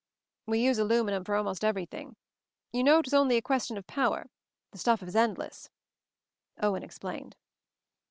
"We use aluminum for almost every thing. You know it was only a question of power — the stuff is endless," Owen ex plained.